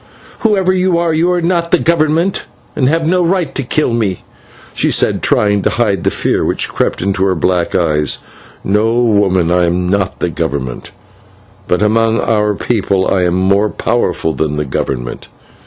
"Whoever you are, you are not the Government, and have no right to kill me," she said, trying to hide the fear which crept into her dark eyes. "No, woman, I am not the Government; but among our people I am more powerful than the Government.